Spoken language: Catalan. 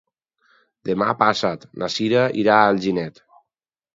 Demà passat na Cira irà a Alginet.